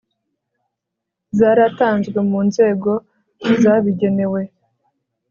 zaratanzwe mu nzego zabigenewe